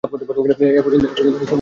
এ পর্যন্ত এটাই সেরা।